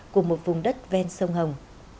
của một vùng đất ven sông hồng